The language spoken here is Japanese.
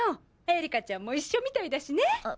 エリカちゃんも一緒みたいだしね。